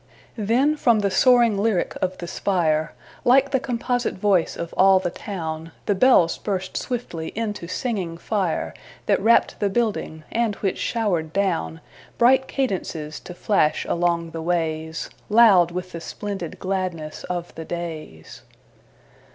Then from the soaring lyric of the spire, Like the composite voice of all the town, The bells burst swiftly into singing fire That wrapped the building, and which showered down Bright cadences to flash along the ways Loud with the splendid gladness of the days.